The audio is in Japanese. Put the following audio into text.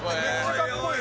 かっこいい。